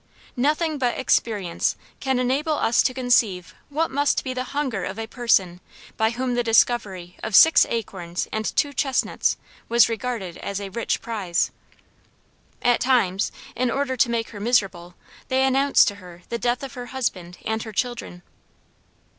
Nothing but experience can enable us to conceive what must be the hunger of a person by whom the discovery of six acorns and two chestnuts was regarded as a rich prize. At times, in order to make her miserable, they announced to her the death of her husband and her children.